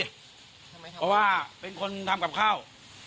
เพราะว่าเป็นคนทำกับข้าว